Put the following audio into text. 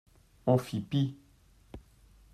On fit pis.